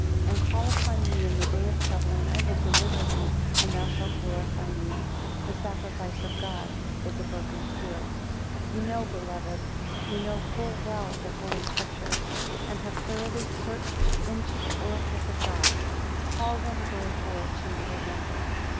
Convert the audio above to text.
And call upon me in the day of trouble, and I will deliver thee, and thou shalt glorify me. The sacrifice of God is a broken spirit. 10 Ye know, beloved, ye know full well, the Holy Scriptures; and have thoroughly searched into the oracles of God: call them therefore to your remembrance.